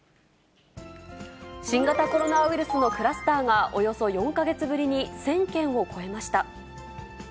新型コロナウイルスのクラスターがおよそ４か月ぶりに１０００件を超えました。